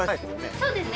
そうですね